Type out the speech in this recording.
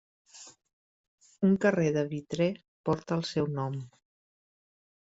Un carrer de Vitré porta el seu nom.